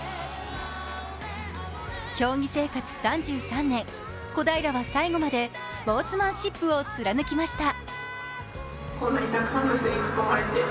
競技生活３３年、小平は最後までスポーツマンシップを貫きました。